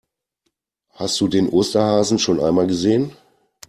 Hast du den Osterhasen schon einmal gesehen?